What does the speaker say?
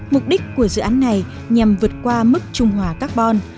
mục đích của dự án này nhằm vượt qua mức trung hòa carbon